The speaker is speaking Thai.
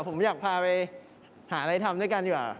ผมอยากพาไปหาอะไรทำด้วยกันดีกว่า